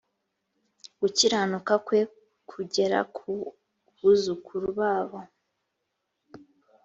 gukiranuka kwe kugera ku buzukuru babo